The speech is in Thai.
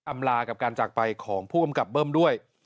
ลากับการจากไปของผู้กำกับเบิ้มด้วย